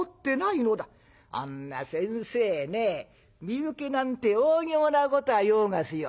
「あんな先生ね身請けなんておおぎょうなことはようがすよ。